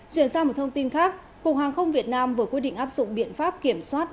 chuyển sang một thông tin khác cục hàng không việt nam vừa quyết định áp dụng biện pháp kiểm soát